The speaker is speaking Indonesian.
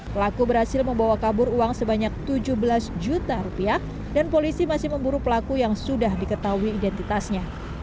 pelaku berhasil membawa kabur uang sebanyak tujuh belas juta rupiah dan polisi masih memburu pelaku yang sudah diketahui identitasnya